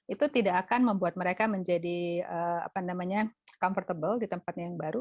itu tidak akan membuat mereka menjadi comfortable di tempat yang baru